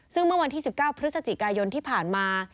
ซึ่งเมื่อวันที่๑๙พฤศจิกายนที่ผ่านมา